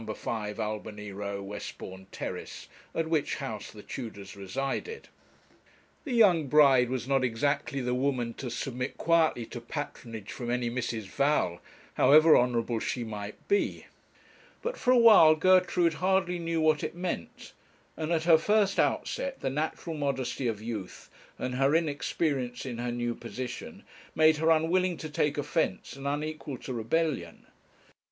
5, Albany Row, Westbourne Terrace, at which house the Tudors resided. The young bride was not exactly the woman to submit quietly to patronage from any Mrs. Val, however honourable she might be; but for a while Gertrude hardly knew what it meant; and at her first outset the natural modesty of youth, and her inexperience in her new position, made her unwilling to take offence and unequal to rebellion.